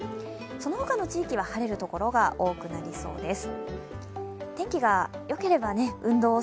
その他の地域は晴れる所が多くなりそうです。